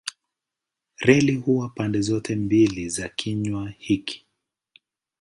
Reli huwa pande zote mbili za kinywa hiki.